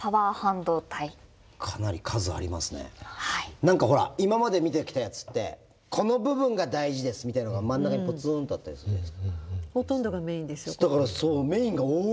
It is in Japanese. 何かほら今まで見てきたやつってこの部分が大事ですみたいのが真ん中にぽつんとあったりするじゃないですか。